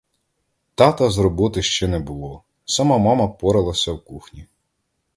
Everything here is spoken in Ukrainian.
Тата з роботи ще не було, сама мама поралася в кухні.